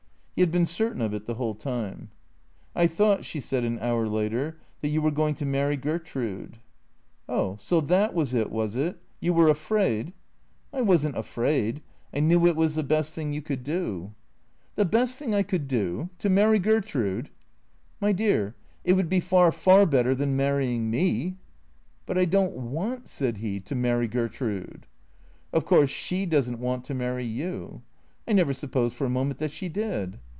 He had been certain of it the whole time. " I thought," she said an hour later, " that you were going to marry Gertrude." " Oh, so that was it, was it ? You were afraid "" I was n't afraid. I knew it was the best thing you could do." 276 THECREATORS " The best thing I could do ? To marry Gertrude ?"" My dear — it would be far, far better than marrying me." " But I don't want/' said he, " to marry Gertrude." " Of course, she does n't want to marry you." " I never supposed for a moment that she did."